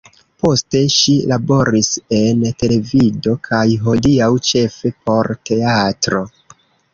Poste, ŝi laboris en televido kaj, hodiaŭ, ĉefe por teatro.